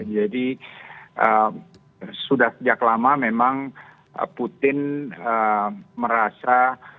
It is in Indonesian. jadi sudah sejak lama memang putin merasa